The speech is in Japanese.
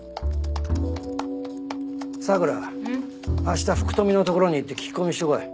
明日福富のところに行って聞き込みしてこい。